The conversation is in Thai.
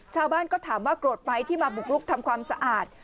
ชาวบ้านก็ถามว่าโกรธไหมที่มาบุกลุกทำความสะอาด